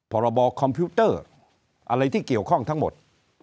พรบคอมพิวเตอร์อะไรที่เกี่ยวข้องทั้งหมด